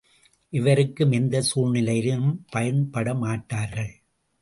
எவருக்கும் எந்தச் சூழ்நிலையிலும் பயன்படமாட்டார்கள்.